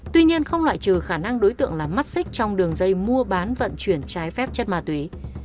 tuy nhiên không loại trừ khả năng đối tượng là mắt xích trong đường dây mua bán vận chuyển trái phép chất ma túy